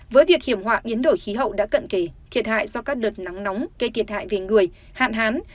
với việc hiểm họa biến đổi khí hậu đã cận kề thiệt hại do các đợt nắng nóng gây thiệt hại về người hạn hán